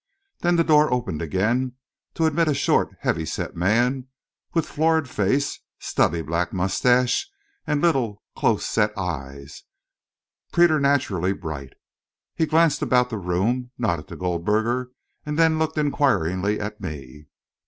Then the door opened again to admit a short, heavy set man, with florid face, stubbly black moustache, and little, close set eyes, preternaturally bright. He glanced about the room, nodded to Goldberger, and then looked inquiringly at me.